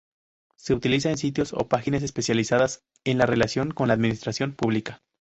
Se utiliza en sitios o páginas especializadas en la relación con la administración pública.